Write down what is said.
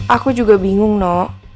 aku juga bingung no